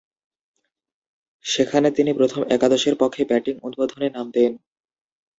সেখানে তিনি প্রথম একাদশের পক্ষে ব্যাটিং উদ্বোধনে নামতেন।